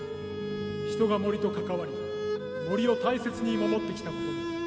人が森と関わり森を大切に守ってきたことも。